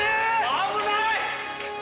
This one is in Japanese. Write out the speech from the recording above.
危ない！